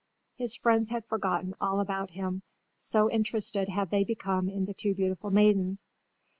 His friends had forgotten all about him, so interested had they become in the two beautiful maidens.